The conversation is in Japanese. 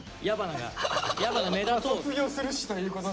卒業するしということで。